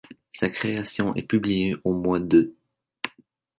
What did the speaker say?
Sa création est publiée au mois d'.